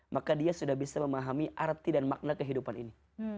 maka dia sudah bisa memahami arti dan makna kehidupan ini